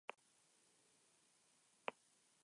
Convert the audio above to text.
Su sede se encuentra en la ciudad de Quito.